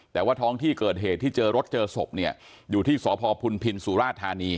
แต่ว่าท้องที่เกิดเหตุที่เจอรถเจอศพเนี่ยอยู่ที่สพพุนพินสุราธานี